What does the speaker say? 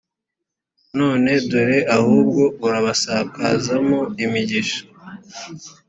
none dore ahubwo urabasakazamo imigisha.